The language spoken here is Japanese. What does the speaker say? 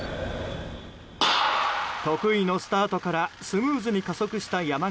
得意のスタートからスムーズに加速した山縣。